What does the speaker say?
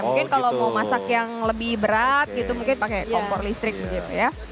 mungkin kalau mau masak yang lebih berat gitu mungkin pakai kompor listrik begitu ya